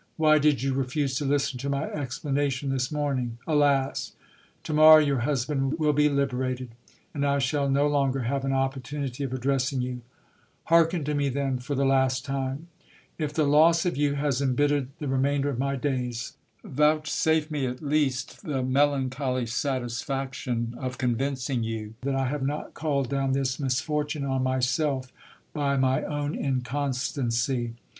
Why did you refuse to listen to my explanation this morning ? Alas. ! To morrow your husband will be liberated, and I shall no longer have an opportunity of addressing you. Hearken to me then for the last time. If the loss of you has embittered the remainder of my days, vouch safe me at least the melancholy satisfaction of convincing you that I have not called down this misfortune on myself by my own inconstancy.